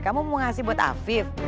kamu mau ngasih buat afif